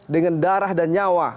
dengan darah dan nyawa